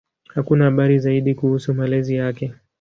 Hakuna habari zaidi kuhusu malezi yake.